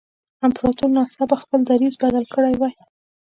امپراتور ناڅاپه خپل دریځ بدل کړی وای.